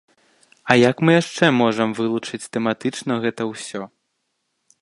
А як мы яшчэ можам вылучыць тэматычна гэта ўсё?